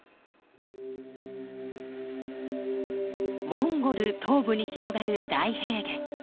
モンゴル東部に広がる大平原。